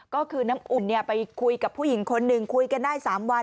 ก็คือน้ำอุ่นไปคุยกับผู้หญิงคนหนึ่งคุยกันได้๓วัน